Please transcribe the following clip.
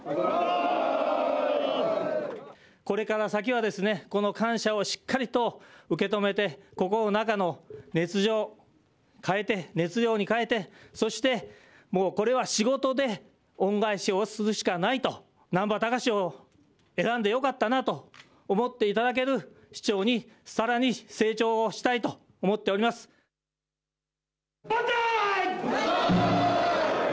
これから先は、この感謝をしっかりと受け止めて、心の中の熱情、変えて、熱量に変えて、そして、もう、これは仕事で恩返しをするしかないと、難波喬司を選んでよかったなと思っていただける市長にさらに成長万歳。